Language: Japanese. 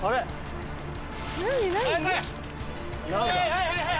はいはいはい。